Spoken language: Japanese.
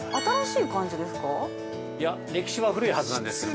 ◆いや、歴史は古いはずなんですけど。